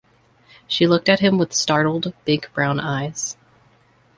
She looked at him with startled, big brown eyes.